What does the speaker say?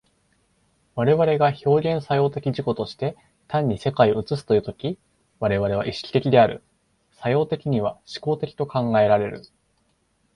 我々が表現作用的自己として単に世界を映すという時、我々は意識的である、作用的には志向的と考えられる。